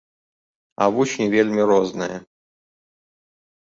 А вучні вельмі розныя.